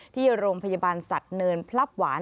ที่โรงพยาบาลสัตว์เนินพลับหวาน